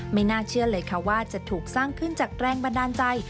ไม่น่าเชื่อเลยค่ะว่าจะถูกสร้างขึ้นจากแรงบันดาลใจ